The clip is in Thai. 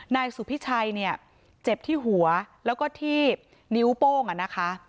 นายสุพิชัยเนี่ยเจ็บที่หัวแล้วก็ที่นิ้วโป้งอ่ะนะคะ